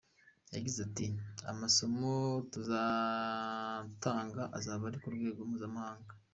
Yagize ati “Amasomo tuzatanga azaba ari ku rwego mpuzamahanga.